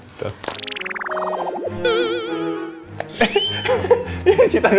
sisa digunakan simple